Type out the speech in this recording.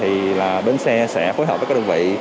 vì vậy bến xe sẽ phối hợp với các đơn vị